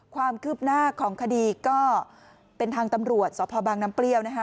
ความคืบหน้าของคดีก็เป็นทางตำรวจสพบางน้ำเปรี้ยวนะคะ